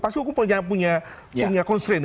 pasti hukum punya constraint